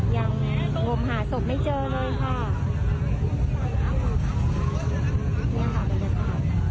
ยังงมหาศพไม่เจอเลยค่ะ